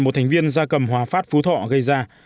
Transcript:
một thành viên gia cầm hòa phát phú thọ gây ra